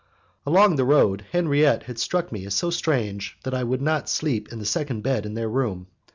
Along the road, Henriette had struck me as so strange that I would not sleep in the second bed in their room.